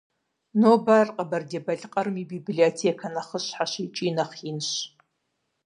Нобэ ар Къэбэрдей-Балъкъэрым и библиотекэ нэхъыщхьэщ икӏи нэхъ инщ.